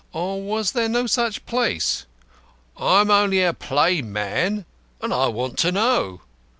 Or was there no such place? "I am only a plain man, and I want to know."